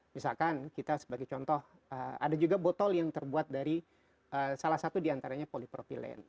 misalkan kita sebagai contoh ada juga botol yang terbuat dari salah satu diantaranya polipropilen